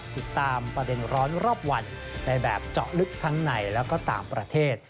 ติดตามประเด็นร้อนรอบวันในแบบเจาะลึกทั้งในแล้วก็ต่างประเทศ